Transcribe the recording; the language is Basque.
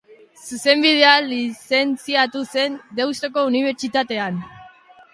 Zuzenbidean lizentziatu zen Deustuko Unibertsitatean.